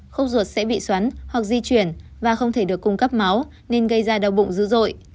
khúc ruột sẽ bị xoắn hoặc di chuyển và không thể được cung cấp máu nên gây ra đau bụng dữ dội